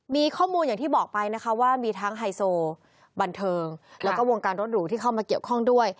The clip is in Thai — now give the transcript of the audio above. มีข้อมูลอย่างที่บอกไปนะคะว่ามีทั้งไฮโซบันเทิงแล้วก็วงการรถหรูที่เข้ามาเกี่ยวข้องด้วย